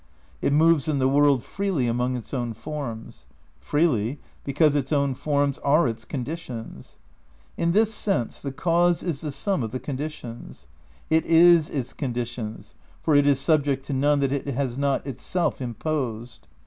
It moves in the world freely among its own forms. Freely, because its own forms are its condi tions. In this sense the cause is the sum of the condi tions. It is its conditions, for it is subject to none that it has not itself imposed.